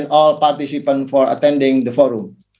dan semua penonton yang menghadiri forum ini